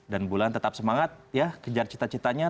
dan bulan tetap semangat ya kejar cita citanya